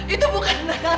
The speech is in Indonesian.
itu bukan nathan